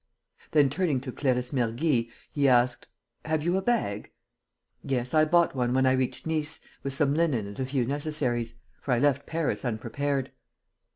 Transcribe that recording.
Then turning to Clarisse Mergy, he asked: "Have you a bag?" "Yes, I bought one when I reached Nice, with some linen and a few necessaries; for I left Paris unprepared."